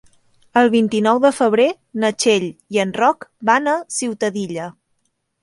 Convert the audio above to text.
El vint-i-nou de febrer na Txell i en Roc van a Ciutadilla.